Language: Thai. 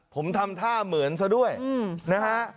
ผมทำท่าเหมือนซะด้วยนะฮะ